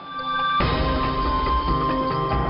สวงไปอยู่ที่หองพักอยู่สมุนปาการ